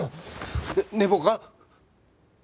寝坊か？